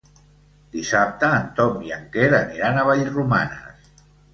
Dissabte en Tom i en Quer aniran a Vallromanes.